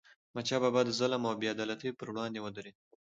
احمد شاه بابا د ظلم او بې عدالتی پر وړاندې ودرید.